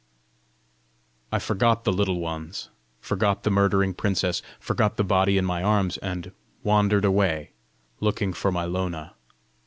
I forgot the Little Ones, forgot the murdering princess, forgot the body in my arms, and wandered away, looking for my Lona.